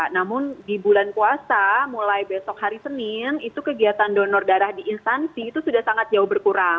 namun di bulan puasa mulai besok hari senin itu kegiatan donor darah di instansi itu sudah sangat jauh berkurang